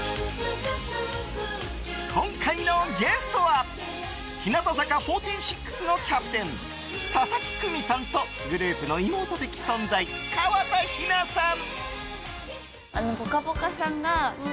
今回のゲストは日向坂４６のキャプテン佐々木久美さんとグループの妹的存在河田陽菜さん。